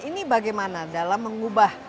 ini bagaimana dalam mengubah